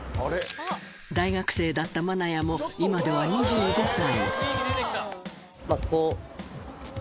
大学生だった愛弥も今では２５歳ここ。